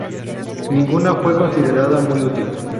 Ninguna fue considerada muy útil.